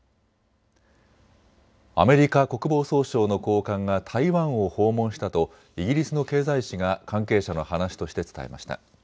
アメリカ国防総省の高官が台湾を訪問したとイギリスの経済紙が関係者の話として伝えました。